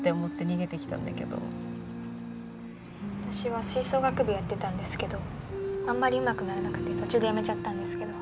私は吹奏楽部やってたんですけどあんまりうまくならなくて途中でやめちゃったんですけど。